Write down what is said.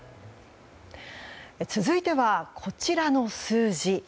続いては、こちらの数字。